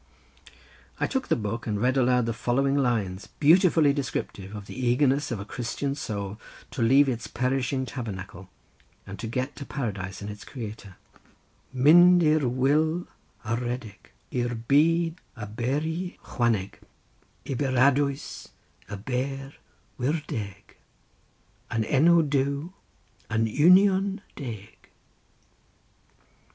I took the book and read aloud the following lines beautifully descriptive of the eagerness of a Christian soul to leave its perishing tabernacle, and get to Paradise and its Creator:— "Myn'd i'r wyl ar redeg, I'r byd a beryi chwaneg, I Beradwys, y ber wiw deg, Yn Enw Duw yn union deg."